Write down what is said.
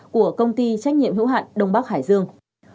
của công ty trách nhiệm hữu hạn đông bắc hải dương